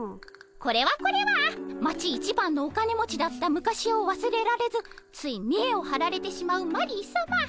これはこれは町一番のお金持ちだった昔をわすれられずついみえをはられてしまうマリーさま。